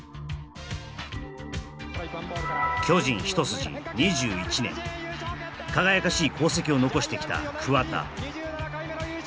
巨人一筋２１年輝かしい功績を残してきた桑田